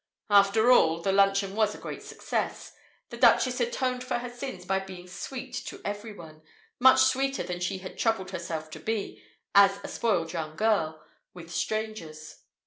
After all, the luncheon was a great success. The Duchess atoned for her sins by being "sweet" to everyone, much sweeter than she had troubled herself to be, as a spoiled young girl, with strangers.